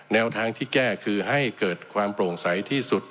แนวทางที่แก้คือให้เกิดความโปร่งใสที่สุด